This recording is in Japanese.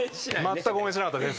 まったく応援しなかったです。